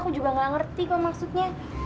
aku juga gak ngerti kok maksudnya